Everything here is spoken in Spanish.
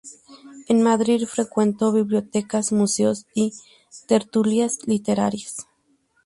En Madrid frecuentó bibliotecas, museos y tertulias literarias.